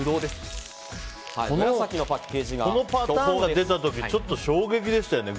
このパターンが出た時ちょっと衝撃でしたよね